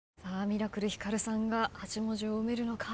ミラクルひかるさんが８文字を埋めるのか。